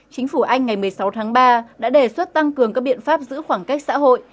chính phủ anh ngày một mươi sáu tháng ba đã đề xuất tăng cường các biện pháp giữ khoảng cách xã hội